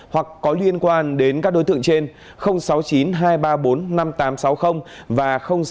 hoặc có liên quan đến các đối tượng trên sáu mươi chín hai trăm ba mươi bốn năm nghìn tám trăm sáu mươi và sáu mươi chín hai trăm ba mươi hai một nghìn sáu trăm